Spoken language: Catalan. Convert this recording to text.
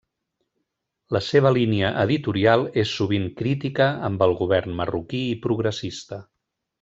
La seva línia editorial és sovint crítica amb el govern marroquí i progressista.